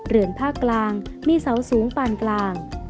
เรือนภาคกลางมีเสาสูงปานกลาง